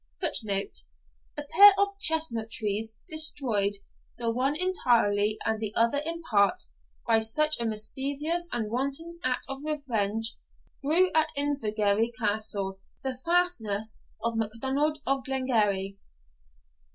[Footnote: A pair of chestnut trees, destroyed, the one entirely and the other in part, by such a mischievous and wanton act of revenge, grew at Invergarry Castle, the fastness of MacDonald of Glengarry.